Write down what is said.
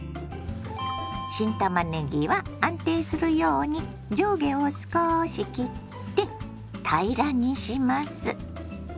新たまねぎは安定するように上下を少し切って平らにします。